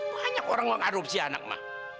banyak orang yang adopsi anak ma